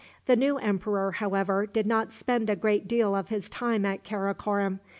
The new emperor, however, did not spend a great deal of his time at Karakorom.